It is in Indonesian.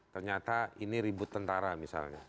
ternyata ini ribut tentara misalnya